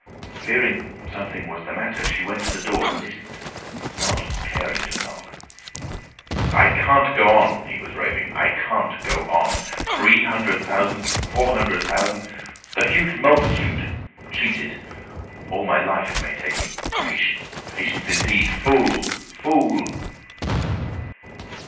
Fearing "something was the matter," she went to the door and listened, not caring to knock. "I can't go on," he was raving. "I can't go on. Three hundred thousand, four hundred thousand! The huge multitude! Cheated! All my life it may take me! ... Patience! Patience indeed! ... Fool! fool!"